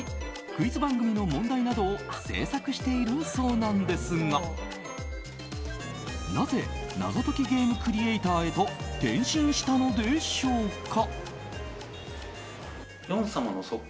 クイズ番組の問題などを制作しているそうなんですがなぜ謎解きゲームクリエーターへと転身したのでしょうか。